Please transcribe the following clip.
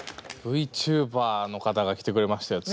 Ｖチューバーの方が来てくれましたよ